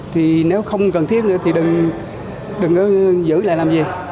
thì nếu không cần thiết nữa thì đừng ứ giữ lại làm gì